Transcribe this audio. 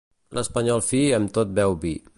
L'espanyol fi amb tot beu vi.